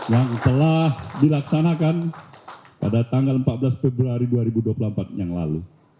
yang telah dilaksanakan pada tanggal empat belas februari dua ribu dua puluh empat yang lalu